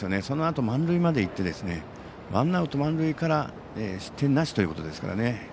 そのあと満塁までいってワンアウト満塁から失点なしということですからね。